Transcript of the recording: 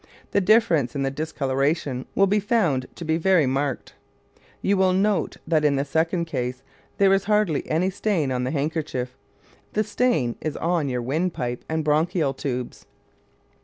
The difference in the discoloration will be found to be very marked. You will note that in the second case there is hardly any stain on the handkerchief: the stain is on your windpipe and bronchial tubes.